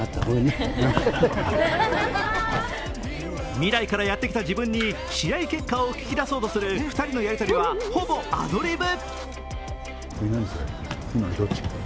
未来からやってきた自分に試合結果を聞き出そうとする２人のやりとりは、ほぼアドリブ。